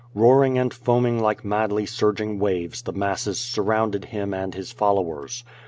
Koar ing and foaming like madly surging waves the masses sur rounded him and his followers.